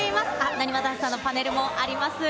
なにわ男子さんのパネルもあります。